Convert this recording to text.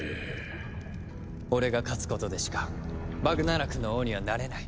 俺が勝つことでしかバグナラクの王にはなれない。